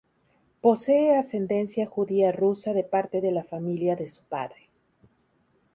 Posee ascendencia judía rusa de parte de la familia de su padre.